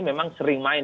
memang sering main